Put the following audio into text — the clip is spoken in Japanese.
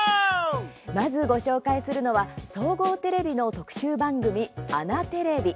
まず、ご紹介するのは総合テレビの特集番組「アナテレビ」。